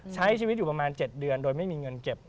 ใช้ชีวิตอยู่ประมาณ๗เดือนโดยไม่มีเงินเก็บ